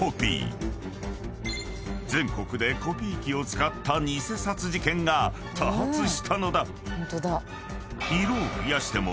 ［全国でコピー機を使った偽札事件が多発したのだ］